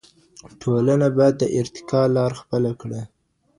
ټولنه بايد د ارتقا لاره خپله کړي.